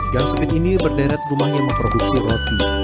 gang sempit ini berderet rumah yang memproduksi roti